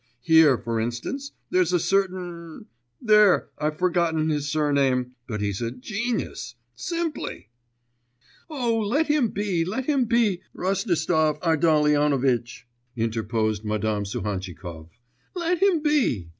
Here, for instance, there's a certain ... there, I've forgotten his surname, but he's a genius! simply!' 'Oh, let him be, let him be, Rostislav Ardalionovitch,' interposed Madame Suhantchikov, 'let him be!